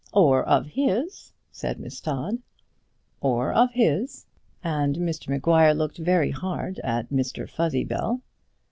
"Or of his," said Miss Todd. "Or of his," and Mr Maguire looked very hard at Mr Fuzzybell.